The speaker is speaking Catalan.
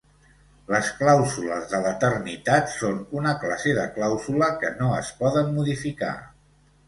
Les "clàusules de l'eternitat" són una classe de clàusula que no es poden modificar.